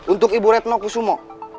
untuk ibu retno kusumo